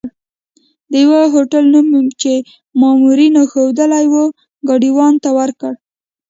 د یوه هوټل نوم مې چې مامورینو ښوولی وو، ګاډیوان ته ورکړ.